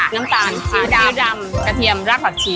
น้ำตาลชีวดรำกระเทียมลากหลักชี